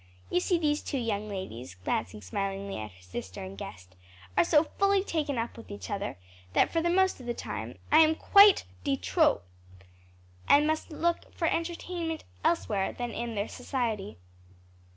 You see these two young ladies," glancing smilingly at her sister and guest, "are so fully taken up with each other, that for the most of the time I am quite detrop, and must look for entertainment elsewhere than in their society."